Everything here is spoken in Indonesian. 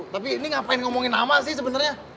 tapi ini ngapain ngomongin apa sih sebenarnya